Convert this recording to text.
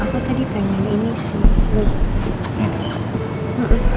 aku tadi pengen ini sembuh